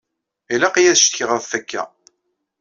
Ilaq-iyi ad ccetkiɣ ɣef akka.